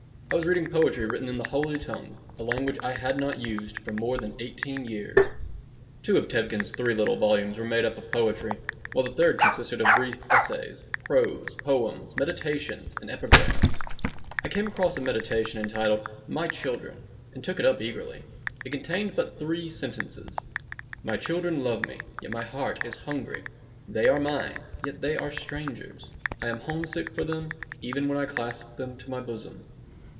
I was reading poetry written in the holy tongue, a language I had not used for more than eighteen years Two of Tevkin's three little volumes were made up of poetry, while the third consisted of brief essays, prose, poems, "meditations," and epigrams. I came across a "meditation" entitled "My Children," and took it up eagerly. It contained but three sentences: "My children love me, yet my heart is hungry. They are mine, yet they are strangers. I am homesick for them even when I clasp them to my bosom."